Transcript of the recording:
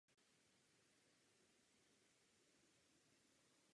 Hunové v této bitvě byli poraženi.